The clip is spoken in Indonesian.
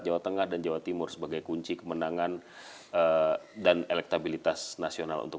jawa tengah dan jawa timur sebagai kunci kemenangan dan elektabilitas nasional untuk